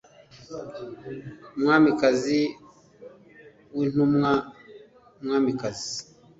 “mwamikazi w’intumwa, mwamikazi